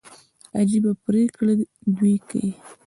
عجبه پرېکړي دوى کيي.